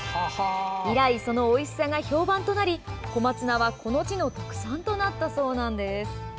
以来、そのおいしさが評判となり小松菜は、この地の特産となったそうなのです。